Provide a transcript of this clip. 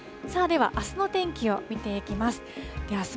では、あすの天気を見ていきます。